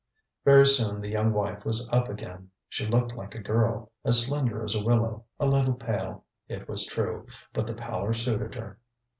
ŌĆØ Very soon the young wife was up again. She looked like a girl, as slender as a willow, a little pale, it was true, but the pallor suited her.